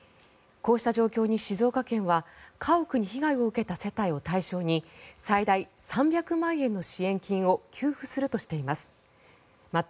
こうした状況に静岡県は家屋に被害を受けた世帯を対象に最大３００万円の支援金を給付するとしています。